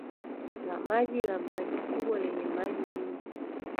la maji la maji kubwa lenye maji mingi